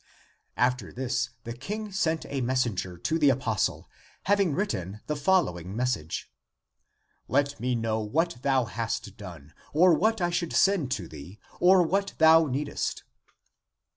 After this the King sent a messenger to the apostle, having written the following :*' Let me know what thou hast done, or what I should send to thee or what thou needest."